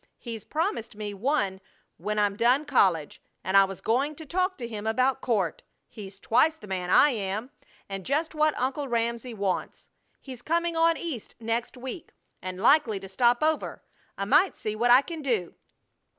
He's promised me one when I'm done college, and I was going to talk to him about Court. He's twice the man I am and just what Uncle Ramsey wants. He's coming on East next week, and likely to stop over. I might see what I can do."